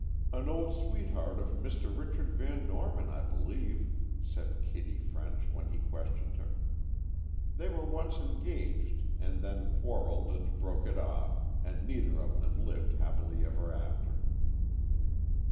"An old sweetheart of Mr. Richard Van Norman, I believe," said Kitty French, when he questioned her. "They were once engaged and then quarrelled and broke it off, and neither of them lived happily ever after."